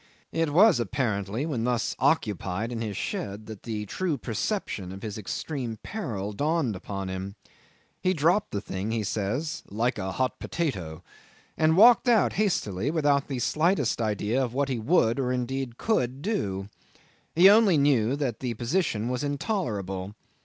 It was apparently when thus occupied in his shed that the true perception of his extreme peril dawned upon him. He dropped the thing he says "like a hot potato," and walked out hastily, without the slightest idea of what he would, or indeed could, do. He only knew that the position was intolerable.